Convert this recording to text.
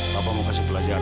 papa mau kasih pelajaran